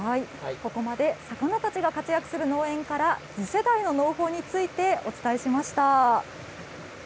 ここまで、魚たちが活躍する農園から、次世代の農法についてお伝えしました。